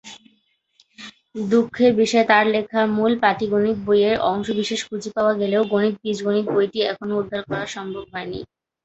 দুঃখের বিষয় তার লেখা মূল পাটিগণিত বই এর অংশবিশেষ খুঁজে পাওয়া গেলেও গণিত বীজগণিত বইটি এখনো উদ্ধার করা সম্ভব হয়নি।